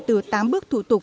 từ tám bước thủ tục